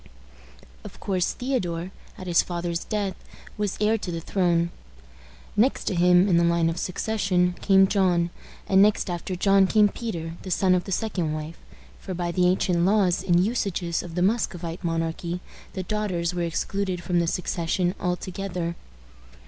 Of course, Theodore, at his father's death, was heir to the throne. Next to him in the line of succession came John; and next after John came Peter, the son of the second wife; for, by the ancient laws and usages of the Muscovite monarchy, the daughters were excluded from the succession altogether.